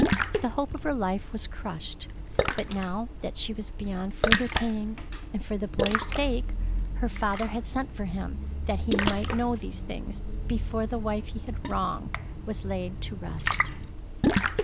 The hope of her life was crushed. But now that she was beyond further pain, and for the boy's sake, her father had sent for him that he might know these things before the wife he had wronged was laid to rest.